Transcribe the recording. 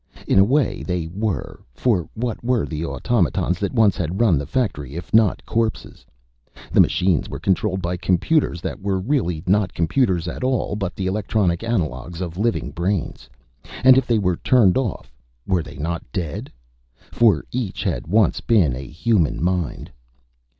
In a way, they were, for what were the automatons that once had run the factory, if not corpses? The machines were controlled by computers that were really not computers at all, but the electronic analogues of living brains. And if they were turned off, were they not dead? For each had once been a human mind.